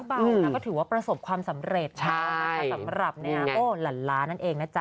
เบานะก็ถือว่าประสบความสำเร็จค่ะสำหรับโอ้หลานล้านั่นเองนะจ๊